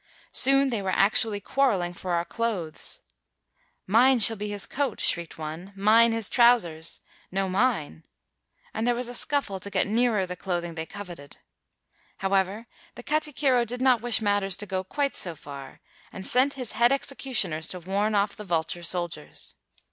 Soon they were actually quar reling for our clothes. 'Mine shall be his coat,' shrieked one; 'Mine his trousers;' 'No mine !' and there was a scuffle to get nearer the clothing they coveted. However, the katikiro did not wish matters to go quite so far, and sent his head executioners to warn off the vulture soldiers.